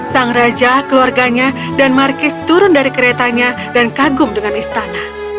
sang raja keluarganya dan markis turun dari keretanya dan kagum dengan istana